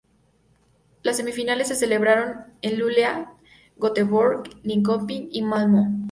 Las semifinales se celebraron en Luleå, Göteborg, Linköping y Malmö.